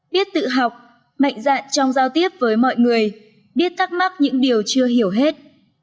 biết tự học mạnh dạn trong giao tiếp với mọi người biết thắc mắc những điều chưa hiểu hết